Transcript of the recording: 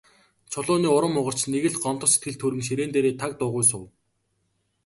Чулууны урам хугарч, нэг л гомдох сэтгэл төрөн ширээн дээрээ таг дуугүй суув.